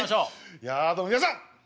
いやどうも皆さん！